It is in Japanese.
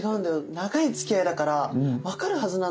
長いつきあいだから分かるはずなんだよね。